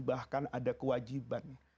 bahkan ada kewajiban